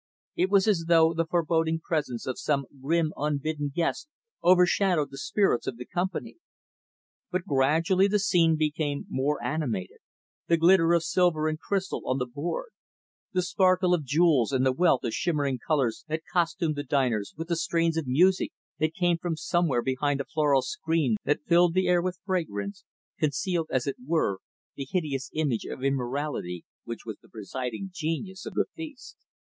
It was as though the foreboding presence of some grim, unbidden guest overshadowed the spirits of the company But gradually the scene became more animated The glitter of silver and crystal on the board; the sparkle of jewels and the wealth of shimmering colors that costumed the diners; with the strains of music that came from somewhere behind a floral screen that filled the air with fragrance; concealed, as it were, the hideous image of immorality which was the presiding genius of the feast.